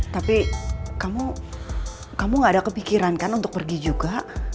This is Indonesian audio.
tapi kamu gak ada kepikiran kan untuk pergi juga